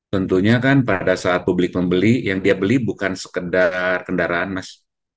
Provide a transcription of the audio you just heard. tentunya kan pada saat publik membeli yang dia beli bukan sekedar kendaraan mas